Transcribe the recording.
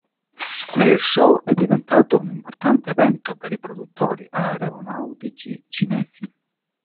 L'Airshow è diventato un importante evento per i produttori aeronautici cinesi.